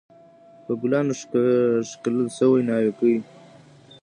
په ګلانو ښکلل سوې ناوکۍ